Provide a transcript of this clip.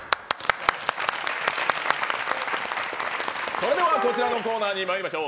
それではこちらのコーナーにまいりましょう。